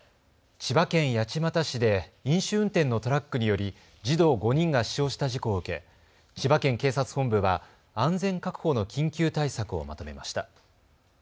千葉県八街市で飲酒運転のトラックにより児童５人が死傷した事故を受け千葉県警察本部は安全確保の緊急対策をまとめました。